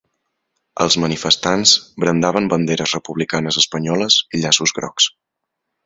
Els manifestants brandaven banderes republicanes espanyoles i llaços grocs.